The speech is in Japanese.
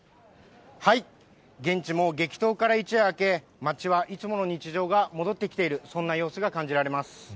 現地も激闘から一夜明け、街はいつもの日常が戻ってきている、そんな感じられます。